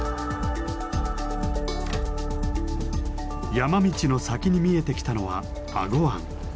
山道の先に見えてきたのは英虞湾。